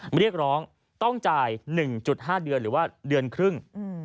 มาเรียกร้องต้องจ่าย๑๕เดือนหรือว่าเดือนครึ่ง